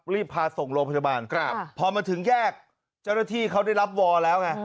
รีบพาส่งโรงพยาบาลพอมาถึงแยกเจ้าหน้าที่เขาได้รับวอลแล้วไง